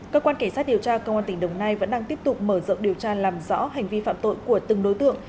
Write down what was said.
cơ quan cảnh sát điều tra công an tỉnh đồng nai vẫn đang tiếp tục mở rộng điều tra làm rõ hành vi phạm tội của từng đối tượng